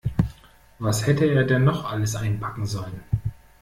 Was hätte er denn noch alles einpacken sollen?